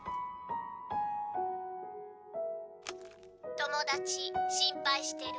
「友達心配してる。